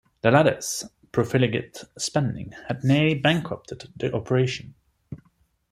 The latter's profligate spending had nearly bankrupted the operation.